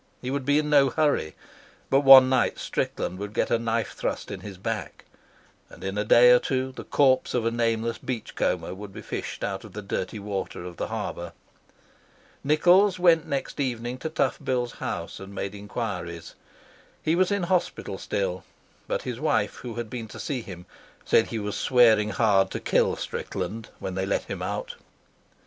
He would be in no hurry, but one night Strickland would get a knife thrust in his back, and in a day or two the corpse of a nameless beach comber would be fished out of the dirty water of the harbour. Nichols went next evening to Tough Bill's house and made enquiries. He was in hospital still, but his wife, who had been to see him, said he was swearing hard to kill Strickland when they let him out.